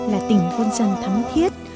là tỉnh vôn dân thắm thiết